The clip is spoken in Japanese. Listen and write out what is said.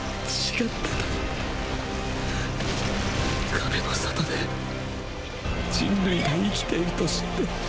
壁の外で人類が生きていると知って。